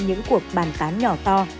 những cuộc bàn tán nhỏ to